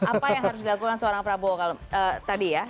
apa yang harus dilakukan seorang prabowo tadi ya